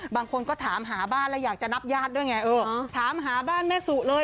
บางคนก็ถามหาบ้านแล้วอยากจะนับญาติด้วยไงเออถามหาบ้านแม่สุเลย